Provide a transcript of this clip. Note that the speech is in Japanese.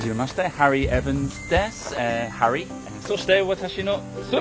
そして私の妻。